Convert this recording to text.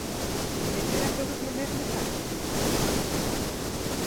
Meter a todos no mesmo saco?